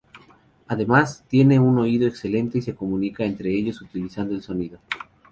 Además, tiene un oído excelente y se comunican entre ellos utilizando el sonido.